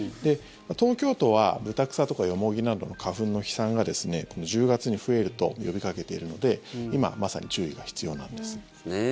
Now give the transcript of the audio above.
東京都はブタクサとかヨモギなどの花粉の飛散がこの１０月に増えると呼びかけているので今まさに注意が必要なんです。